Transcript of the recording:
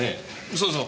そうそう。